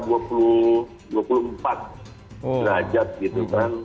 derajat gitu kan